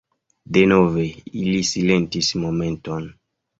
Denove ili silentis momenton.